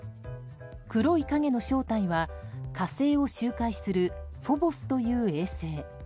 黒い影の正体は、火星を周回する「フォボス」という衛星。